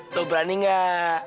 lo berani gak